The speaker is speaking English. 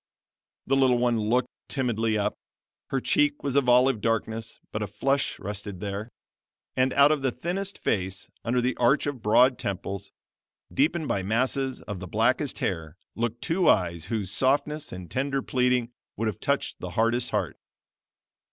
The little one looked timidly up. Her cheek was of olive darkness, but a flush rested there, and out of the thinnest face, under the arch of broad temples, deepened by masses of the blackest hair looked two eyes whose softness and tender pleading would have touched the hardest heart.